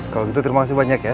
kalau gitu terima kasih banyak ya